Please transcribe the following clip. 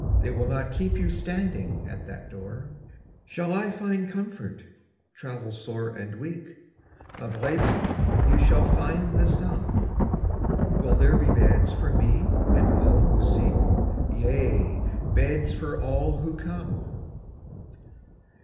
They will not keep you standing at that door. Shall I find comfort, travel sore and weak? Of labor you shall find the sum. Will there be beds for me and all who seek? Yea, beds for all who come.